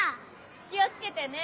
気を付けてね。